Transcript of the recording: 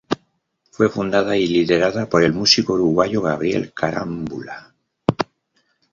Fue fundada y liderada por el músico uruguayo Gabriel Carámbula.